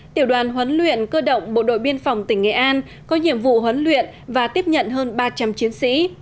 tiểu đoàn huấn luyện cơ động bộ đội biên phòng tỉnh nghệ an có nhiệm vụ huấn luyện và tiếp nhận hơn ba trăm linh chiến sĩ